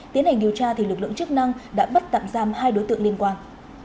tiến hành điều tra lực lượng chức năng đã bắt tạm giam hai đối tượng liên quan